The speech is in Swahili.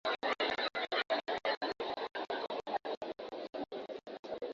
Katika mwaka wa elfu moja mia tisa tisini na sita